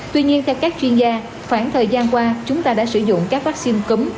tuy nhiên theo các chuyên gia khoảng thời gian qua chúng ta đã sử dụng các vắc xin cấm